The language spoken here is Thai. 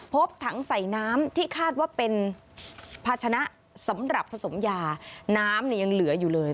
พบถังใส่น้ำที่คาดว่าเป็นภาชนะสำหรับผสมยาน้ำเนี่ยยังเหลืออยู่เลย